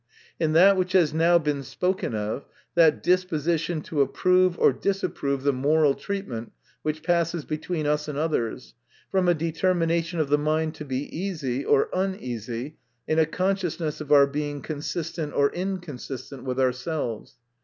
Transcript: In that which has now been spoken of : that disposition to approve or disapprove the moral treatment which passes between us and others, from a deter mination of the mind to be easy, or uneasy, in a consciousness of our being consistent, or inconsistent with ourselves.